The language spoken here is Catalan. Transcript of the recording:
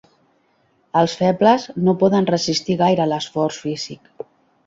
Els febles no poden resistir gaire l'esforç físic.